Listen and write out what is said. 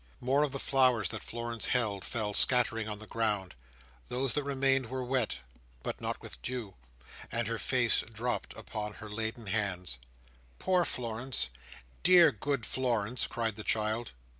More of the flowers that Florence held fell scattering on the ground; those that remained were wet, but not with dew; and her face dropped upon her laden hands. "Poor Florence! Dear, good Florence!" cried the child.